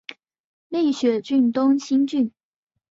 立雪郡东兴郡